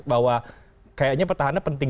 bahwa kayaknya petahana penting